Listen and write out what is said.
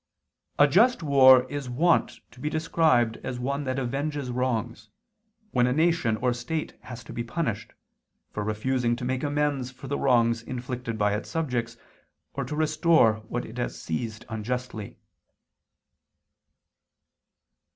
"A just war is wont to be described as one that avenges wrongs, when a nation or state has to be punished, for refusing to make amends for the wrongs inflicted by its subjects, or to restore what it has seized unjustly."